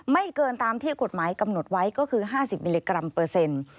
ไม่เกินตามที่กฎหมายกำหนดไว้ก็คือ๕๐มิลลิกรัมเปอร์เซ็นต์